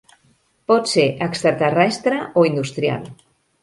Pot ser extraterrestre o industrial.